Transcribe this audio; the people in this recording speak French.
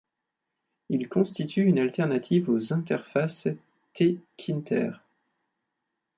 Il constitue une alternative aux interfaces Tkinter.